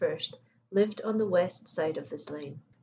lived on the west side of this lane.